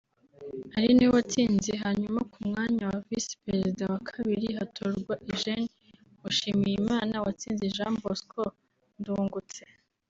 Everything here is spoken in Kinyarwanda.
ari nawe watsinze hanyuma ku mwanya wa Visi Perezida wa Kabiri hatorwa Eugenie Mushimiyimana watsinze Jean Bosco Ndungutse